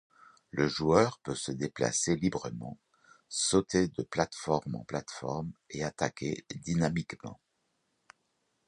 Le joueur peut se déplacer librement, sauter de plates-formes en plates-formes et attaquer dynamiquement.